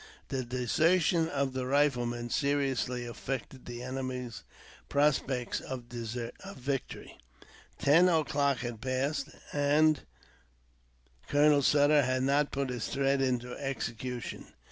The desertion of the riflemen seriously affected the enemy's prospects of victory. Ten o'clock had passed, and Colonel Sutter had not put his threat into execution.